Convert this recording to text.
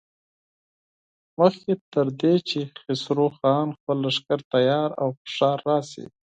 مخکې تر دې چې خسرو خان خپل لښکر تيار او پر ښار راشي.